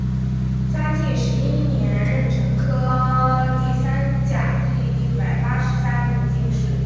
嘉靖十一年壬辰科第三甲第一百八十三名进士。